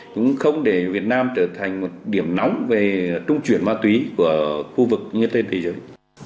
cũng không để việt nam trở thành một điểm nóng về trung chuyển ma túy của khu vực như trên thế giới